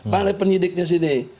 mana penyidiknya di sini